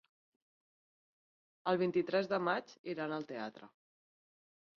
El vint-i-tres de maig iran al teatre.